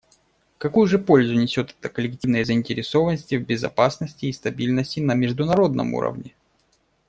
Какую же пользу несет это коллективной заинтересованности в безопасности и стабильности на международном уровне?